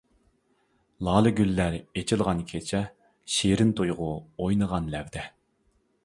لالە گۈللەر ئېچىلغان كېچە، شېرىن تۇيغۇ ئوينىغان لەۋدە.